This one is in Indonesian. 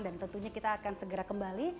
dan tentunya kita akan segera kembali